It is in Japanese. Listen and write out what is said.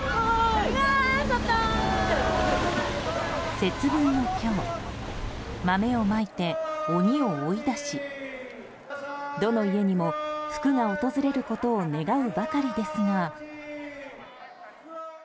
節分の今日豆をまいて鬼を追い出しどの家にも、福が訪れることを願うばかりですが。